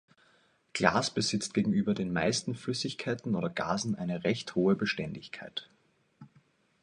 Glas besitzt gegenüber den meisten Flüssigkeiten oder Gasen eine recht hohe Beständigkeit.